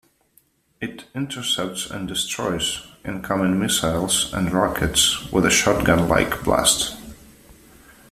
It intercepts and destroys incoming missiles and rockets with a shotgun-like blast.